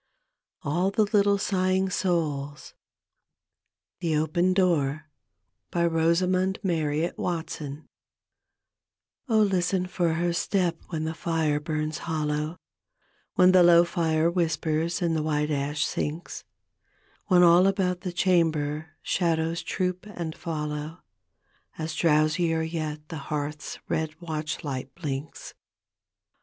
D,gt,, erihyGOOgle The Haunted Hour THE OPEN DOOR : Rosamund marriott watson O listen for her step when the Are bums hollow When the low fire whispers and the white a^ sinks, When all about the chamber shadows troop and follow As drowsier yet the hearth's red watchl^t blinks.